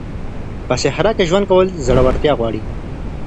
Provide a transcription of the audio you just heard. په صحرا کي ژوند کول زړورتيا غواړي.